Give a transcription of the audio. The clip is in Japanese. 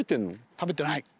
食べてない。